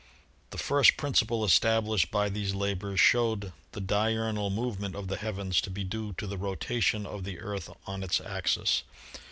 The first principle established by these labors showed the diurnal movement of the heavens to be due to the rotation of the Earth on its axis.